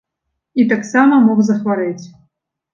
І таксама мог захварэць.